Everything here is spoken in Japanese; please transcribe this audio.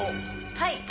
はい！